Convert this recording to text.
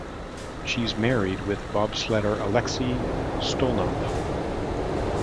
She's married with bobsledder Alexey Stulnev.